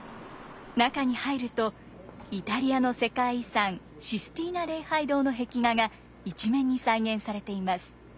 中に入るとイタリアの世界遺産システィーナ礼拝堂の壁画が一面に再現されています。